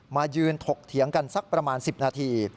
มายืนถกเถียงกันสักประมาณ๑๐นาที